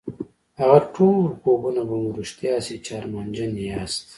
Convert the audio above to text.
هغه ټول خوبونه به مو رښتيا شي چې ارمانجن يې ياست.